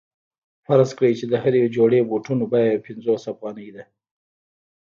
فرض کړئ چې د هرې جوړې بوټانو بیه پنځوس افغانۍ ده